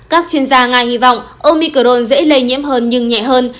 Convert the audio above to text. các chuyên gia nga hy vọng omicron dễ lây nhiễm hơn nhưng nhẹ hơn